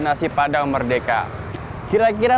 nasi padang merdeka kira kira